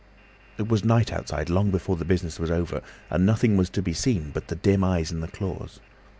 "It was night outside long before the business was over, and nothing was to be seen but the dim eyes and the claws.